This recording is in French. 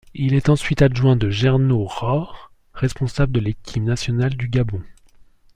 Il est ensuite adjoint de Gernot Rohr, responsable de l'équipe nationale du Gabon.